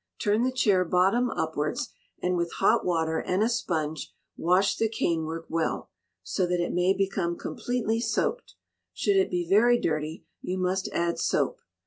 Turn the chair bottom upwards, and with hot water and a sponge wash the canework well, so that it may become completely soaked. Should it be very dirty you must add soap.